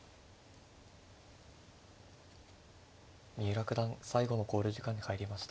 三浦九段最後の考慮時間に入りました。